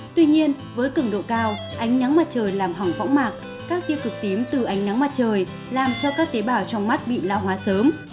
tuy nhiên với cứng độ cao ánh nắng mặt trời làm hỏng phẫu mặt các tiêu cực tím từ ánh nắng mặt trời làm cho các tế bào trong mắt bị lão hóa sớm